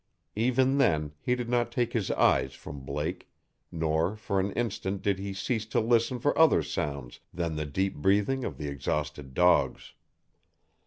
Even then he did not take his eyes from Blake, nor for an instant did he cease to listen for other sounds than the deep breathing of the exhausted dogs.